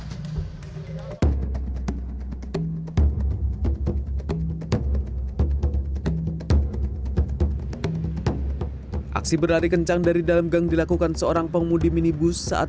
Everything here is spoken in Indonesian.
untuk berdagang aksi berlari kencang dari dalam gang dilakukan seorang pengumum di minibus saat